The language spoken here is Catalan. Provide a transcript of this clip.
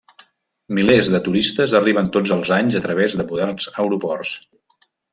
Milers de turistes arriben tots els anys a través de moderns aeroports.